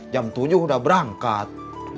jam tujuh udah berangkat